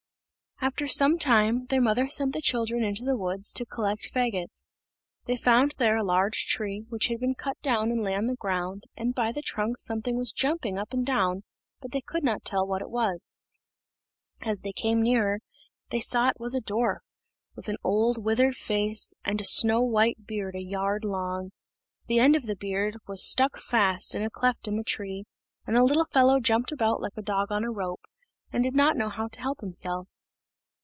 After some time, their mother sent the children into the wood to collect faggots. They found there a large tree, which had been cut down and lay on the ground, and by the trunk something was jumping up and down, but they could not tell what it was. As they came nearer, they saw that it was a dwarf, with an old withered face, and a snow white beard a yard long. The end of the beard was stuck fast in a cleft in the tree, and the little fellow jumped about like a dog on a rope, and did not know how to help himself.